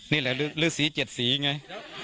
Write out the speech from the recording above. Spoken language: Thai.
นี่แหละฤษีเจ็ดศีร์ไง